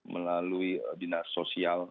melalui dinas sosial